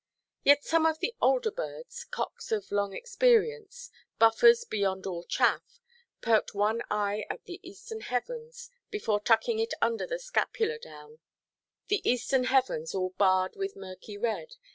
Yet some of the older birds, cocks of long experience, buffers beyond all chaff, perked one eye at the eastern heavens, before tucking it under the scapular down—the eastern heavens all barred with murky red.